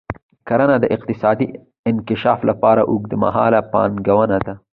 کرنه د اقتصادي انکشاف لپاره اوږدمهاله پانګونه ده.